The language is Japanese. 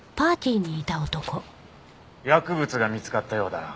薬物が見つかったようだな。